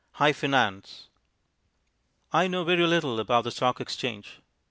High Finance I know very little about the Stock Exchange.